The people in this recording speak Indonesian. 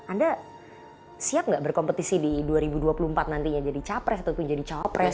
anda siap gak berkompetisi di dua ribu dua puluh empat nantinya jadi capres ataupun jadi cawapres